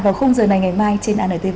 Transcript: vào không giờ này ngày mai trên anr tv